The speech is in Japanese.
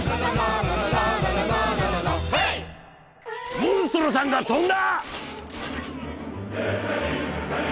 モンストロさんが飛んだ！